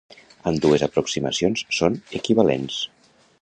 Ambdues aproximacions són equivalents.